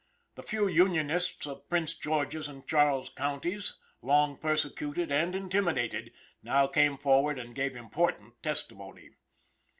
The few Unionists of Prince George's and Charles counties, long persecuted and intimidated, now came forward and gave important testimony.